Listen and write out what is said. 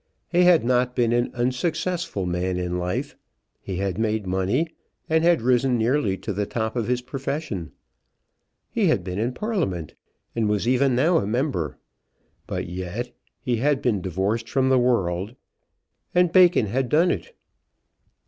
He had not been an unsuccessful man in life. He had made money, and had risen nearly to the top of his profession. He had been in Parliament, and was even now a member. But yet he had been divorced from the world, and Bacon had done it.